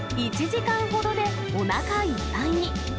１時間ほどでおなかいっぱいに。